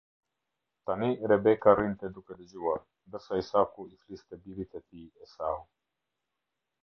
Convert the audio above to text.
Tani Rebeka rrinte duke dëgjuar, ndërsa Isaku i fliste birit të tij Esau.